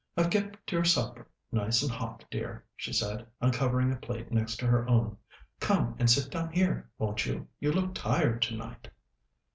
"I've kept your supper nice and hot, dear," she said, uncovering a plate next to her own. "Come and sit down here, won't you? You look tired tonight."